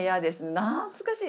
懐かしい。